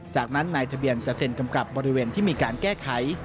จากนั้นนายทะเบียนจะเซ็นกำกับบริเวณที่มีการแก้ไข